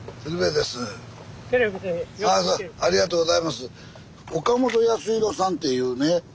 ありがとうございます。